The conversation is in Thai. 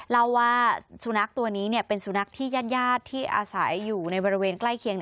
เล่าว่าสุนัขตัวนี้เป็นสุนัขที่ญาติที่อาศัยอยู่ในบริเวณใกล้เคียง